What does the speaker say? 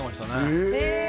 へえ